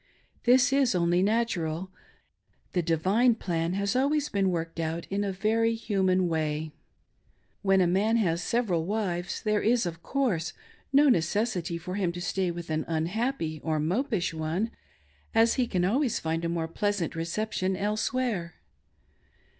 This is only natural. The "divine" plan has always been Worked out in a very human way. When a man has several wives, there iS, of course, no necessity for him to stay with an unhappy or mopish one, as he can always find a more pleasant reception elsewhere.